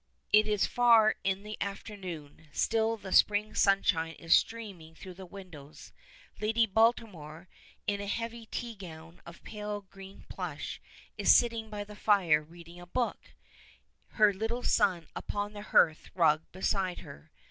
It is far in the afternoon, still the spring sunshine is streaming through the windows. Lady Baltimore, in a heavy tea gown of pale green plush, is sitting by the fire reading a book, her little son upon the hearth rug beside her.